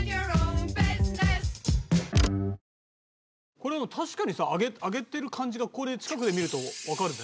これ確かにさ揚げてる感じがこれ近くで見るとわかるね。